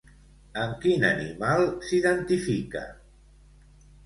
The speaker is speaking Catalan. Amb quin animal s'identifica?